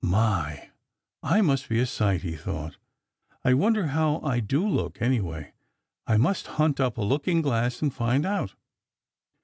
"My, I must be a sight!" he thought, "I wonder how I do look, anyway. I must hunt up a looking glass and find out."